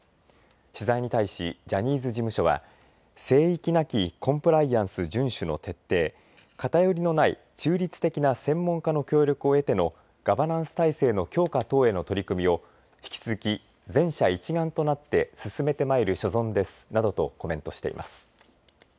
取材に対しジャニーズ事務所は聖域なきコンプライアンス順守の徹底、偏りのない中立的な専門家の協力を得てのガバナンス体制の強化等への取り組みを引き続き全社一丸となって進めてまいる所存ですなどとコメントしています。